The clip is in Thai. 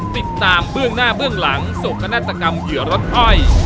เบื้องหน้าเบื้องหลังโศกนาฏกรรมเหยื่อรถอ้อย